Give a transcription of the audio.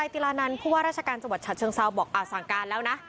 ติลานันผู้ว่าราชการจังหวัดฉะเชิงเซาบอกสั่งการแล้วนะ